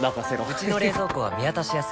うちの冷蔵庫は見渡しやすい